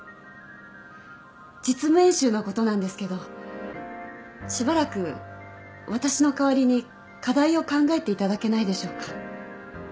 実務演習のことなんですけどしばらく私の代わりに課題を考えていただけないでしょうか。